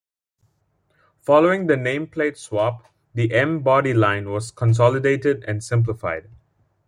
Following the nameplate swap, the M-body line was consolidated and simplified.